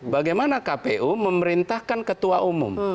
bagaimana kpu memerintahkan ketua umum